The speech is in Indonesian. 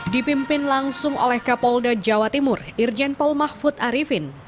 dipimpin langsung oleh kapolda jawa timur irjen paul mahfud arifin